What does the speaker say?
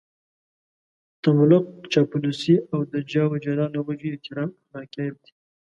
تملق، چاپلوسي او د جاه و جلال له وجهې احترام اخلاقي عيب دی.